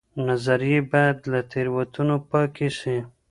نظريې بايد له تېروتنو پاکي سي.